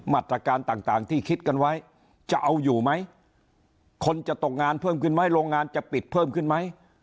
มาตรการต่างที่คิดกันไว้จะเอาอยู่ไหมคนจะตกงานเพิ่มขึ้นไหมโรงงานจะปิดเพิ่มขึ้นไหม